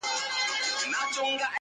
د سترگو اوښکي دي خوړلي گراني .